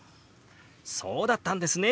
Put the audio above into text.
そうだったんですね。